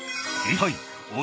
はい。